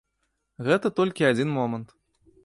Гэта толькі адзін момант.